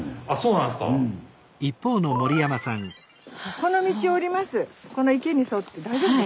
この道を下ります。